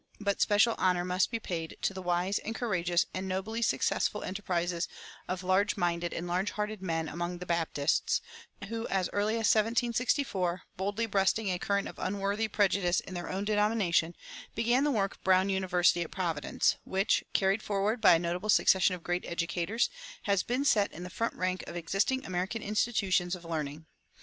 But special honor must be paid to the wise and courageous and nobly successful enterprise of large minded and large hearted men among the Baptists, who as early as 1764, boldly breasting a current of unworthy prejudice in their own denomination, began the work of Brown University at Providence, which, carried forward by a notable succession of great educators, has been set in the front rank of existing American institutions of learning.